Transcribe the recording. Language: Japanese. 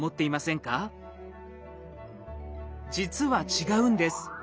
実は違うんです。